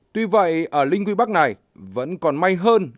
tuy vậy ở linh quy bắc này vẫn còn may hơn